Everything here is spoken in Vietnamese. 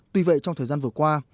tuy vậy trong thời gian vừa qua